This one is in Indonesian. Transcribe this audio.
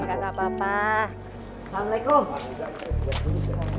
oke kakak papa assalamualaikum